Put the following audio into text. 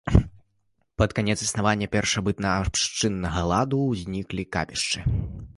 Пад канец існавання першабытнаабшчыннага ладу ўзніклі капішчы.